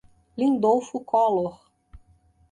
Lindolfo Collor